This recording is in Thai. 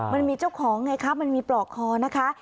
มันมีเจ้าของไงคะมันมีปลอกคอนะคะ